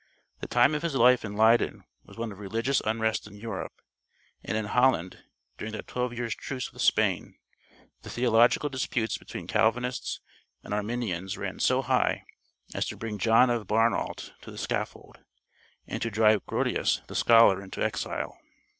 The time of his life in Leyden was one of religious unrest in Europe; and in Holland, during that twelve years' truce with Spain, the theological disputes between Calvinists and Arminians ran so high as to bring John of Barneald to the scaffold, and to drive Grotius the scholar into exile.